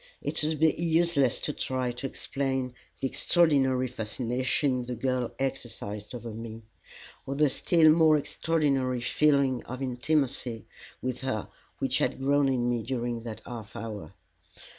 It would be useless to try to explain the extraordinary fascination the girl exercised over me, or the still more extraordinary feeling of intimacy with her which had grown in me during that half hour.